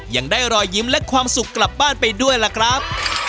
ยังได้รอยยิ้มและความสุขกลับบ้านไปด้วยล่ะครับ